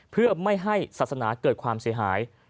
เพื่อไม่ให้ศาสนาเกิดความเสียหาย